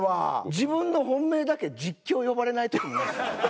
自分の本命だけ実況呼ばれない時もないですか？